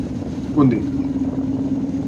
Onde imos?